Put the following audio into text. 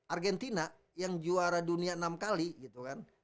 argentina yang juara dunia enam kali gitu kan